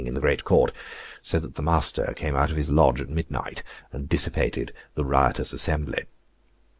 in the great court, so that the master came out of his lodge at midnight, and dissipated the riotous assembly.